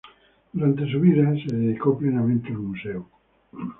Durante su vida se dedicó plenamente al museo.